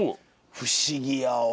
不思議やわ。